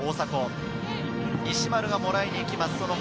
西丸がもらいに行きます、その前。